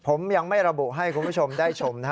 ผมยังไม่ระบุให้คุณผู้ชมได้ชม